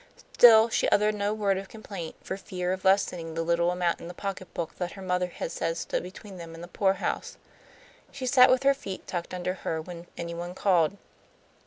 Still she uttered no word of complaint, for fear of lessening the little amount in the pocketbook that her mother had said stood between them and the poorhouse. She sat with her feet tucked under her when any one called.